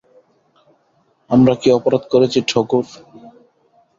আমরা কী অপরাধ করেছি ঠকুর?